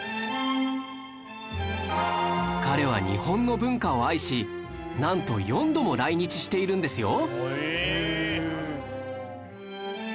彼は日本の文化を愛しなんと４度も来日しているんですよ